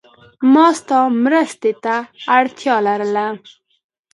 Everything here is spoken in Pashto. ما ستا مرستی ته اړتیا لرله.